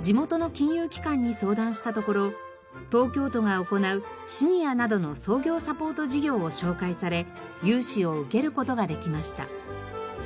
地元の金融機関に相談したところ東京都が行うシニアなどの創業サポート事業を紹介され融資を受ける事ができました。